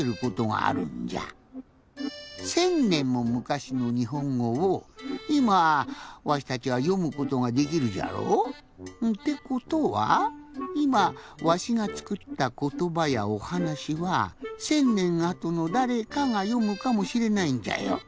１，０００ねんもむかしのにほんごをいまわしたちはよむことができるじゃろ？ってことはいまわしがつくったことばやおはなしは１，０００ねんあとのだれかがよむかもしれないんじゃよ。